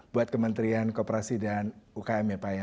buat kementerian kooperasi dan ukm ya pak ya